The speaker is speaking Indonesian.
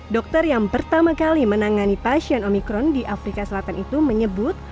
dokter yang pertama kali menangani pasien omikron di afrika selatan itu menyebut